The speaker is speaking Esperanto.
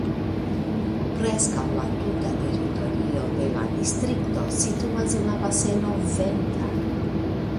Preskaŭ la tuta teritorio de la distrikto situas en la baseno Venta.